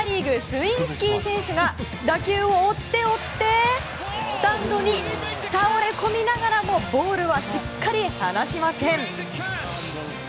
スウィンスキー選手が打球を追って、追ってスタンドに倒れ込みながらもボールはしっかり離しません。